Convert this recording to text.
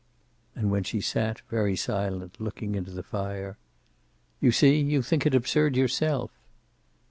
And when she sat, very silent, looking into the fire: "You see, you think it absurd yourself."